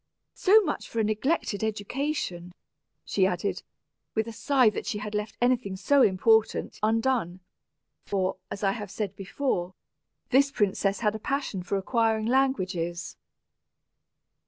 So much for a neglected education," she added, with a sigh that she had left anything so important undone; for, as I have said before, this princess had a passion for acquiring languages.